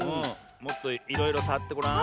もっといろいろさわってごらん。